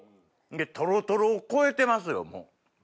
トロトロを超えてますよもう。